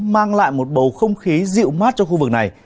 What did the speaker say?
mang lại một bầu không khí dịu mát cho khu vực này